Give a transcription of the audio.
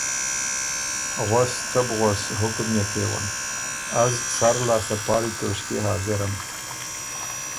غؤس څۀ بو غؤس حُکم يې کېون، از سر لاسته پاړی توݭکيې حاضرم